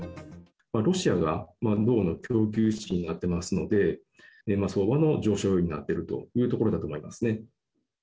ロシアが銅の供給地になってますので、相場の上昇要因になっているというところだと思いますね。